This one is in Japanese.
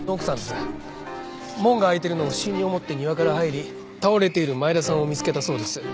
門が開いているのを不審に思って庭から入り倒れている前田さんを見つけたそうです。